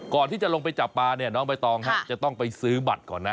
ก่อนที่จะลงไปจับปลาเนี่ยน้องใบตองจะต้องไปซื้อบัตรก่อนนะ